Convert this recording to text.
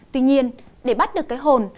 tuy nhiên để bắt được cái hồn